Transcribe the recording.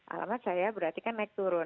alamat saya berarti kan naik turun